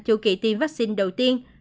châu kỳ tiêm vaccine đầu tiên